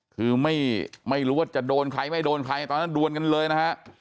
คือไม่รู้ว่าจะโดนใครไม่โดนใครตอนนั้นดวนกันเลยนะฮะ